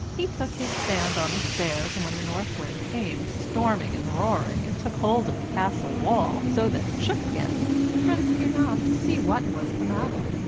He took his stand on the stairs, and when the North Wind came, storming and roaring, and took hold of the castle wall, so that it shook again, the prince came out to see what was the matter.